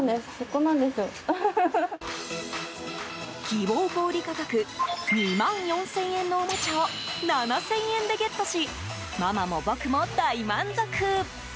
希望小売価格２万４０００円のおもちゃを７０００円でゲットしママも僕も大満足。